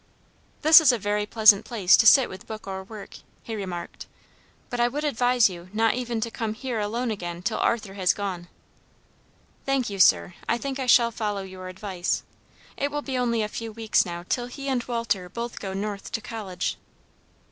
"This is a very pleasant place to sit with book or work," he remarked, "but I would advise you not even to come here alone again till Arthur has gone." "Thank you, sir, I think I shall follow your advice. It will be only a few weeks now till he and Walter both go North to college."